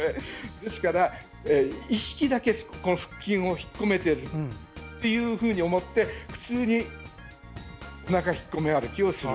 ですから意識だけ腹筋を引っ込めるんだと思って普通におなか引っこめ歩きをする。